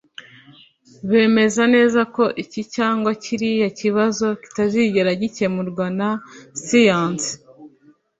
bemeza neza ko iki cyangwa kiriya kibazo kitazigera gikemurwa na siyansi